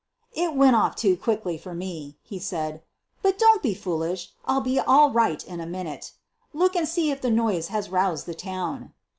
"It went off too quick for me," he said; "but don't be foolish — I'll be all right in a minute. Look and see if the noise has roused the town."